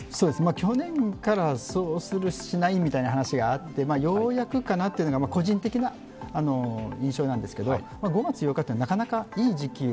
去年からそうする、しないみたいな話があってようやくかなというのが個人的な印象なんですけど５月８日というのはなかなかいい時期を